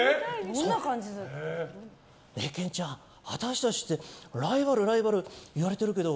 憲ちゃん、私たちってライバルライバル言われてるけど